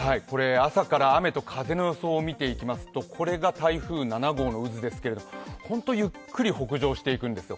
朝から雨と風の予想を見ていきますと、これが台風７号の渦ですけど、本当ゆっくり北上していくんですよ。